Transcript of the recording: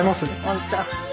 本当。